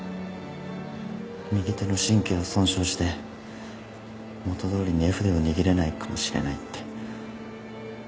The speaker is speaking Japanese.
右手の神経を損傷して元通りに絵筆を握れないかもしれないって。